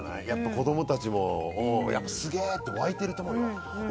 子供たちもすげえって沸いていると思うよ。